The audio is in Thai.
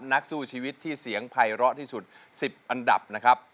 นักสู้ชีวิตที่เสียงภัยร้อที่สุด๑๐อันดับนะครับ